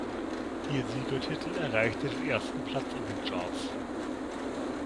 Ihr Siegertitel erreichte den ersten Platz in den Charts.